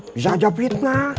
bisa aja fitnah